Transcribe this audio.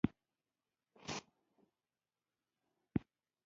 د ونو کنډ، د اچارو او سرکې بوتلونه هم وو.